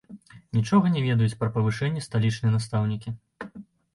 Нічога не ведаюць пра павышэнне сталічныя настаўнікі.